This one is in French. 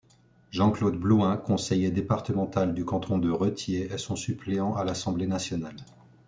Jean-Claude Blouin, conseiller départemental du canton de Retiers est son suppléant à l’Assemblée nationale.